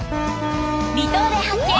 「離島で発見！